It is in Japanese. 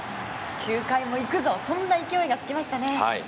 ９回も行くぞという勢いがつきましたね。